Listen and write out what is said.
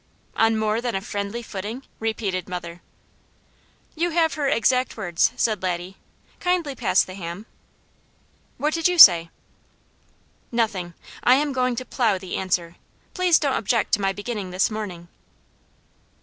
"'On more than a friendly footing'?" repeated mother. "You have her exact words," said Laddie. "Kindly pass the ham." "What did you say?" "Nothing! I am going to plow the answer. Please don't object to my beginning this morning."